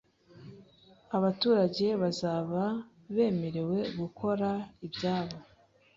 abaturage bazaba bemerewe gukora ibyabo